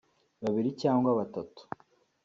babiri cyangwa batatu